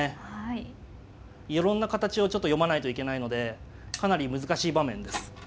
いろんな形をちょっと読まないといけないのでかなり難しい場面です。